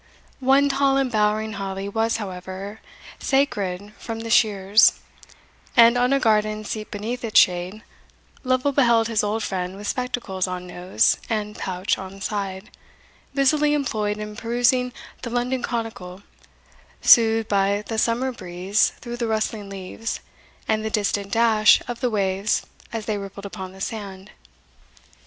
One tall embowering holly was, however, sacred from the shears; and, on a garden seat beneath its shade, Lovel beheld his old friend with spectacles on nose, and pouch on side, busily employed in perusing the London Chronicle, soothed by the summer breeze through the rustling leaves, and the distant dash of the waves as they rippled upon the sand.